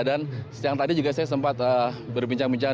dan yang tadi juga saya sempat berbincang bincang